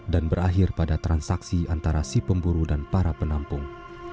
dan berakhir pada transaksi antara si pemburu dan para penampung